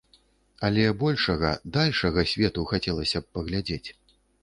Але большага, дальшага свету хацелася б паглядзець.